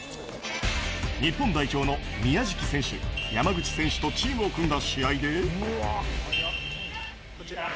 日本代表の宮食選手、山口選手とチームを組んだ試合で。